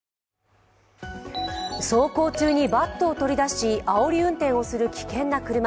走行中にバットを取り出しあおり運転をする危険な車。